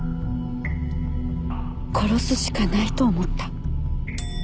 殺すしかないと思った。